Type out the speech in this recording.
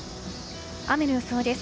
雨の予想です。